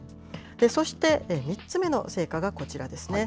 そして、３つ目の成果がこちらですね。